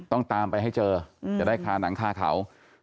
ต้องตามไปให้เจอจะได้คาหนังคาเขา